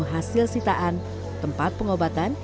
hasil sitaan tempat pengobatan